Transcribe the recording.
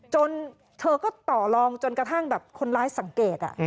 จนเธอก็ต่อลองจนกระทั่งแบบคนร้ายสังเกต